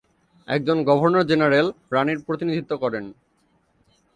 একজন governor general রানীর প্রতিনিধিত্ব করেন।